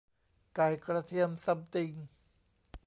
ไก่กระเทียมซัมติง